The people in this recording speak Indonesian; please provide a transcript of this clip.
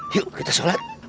yuk kita sholat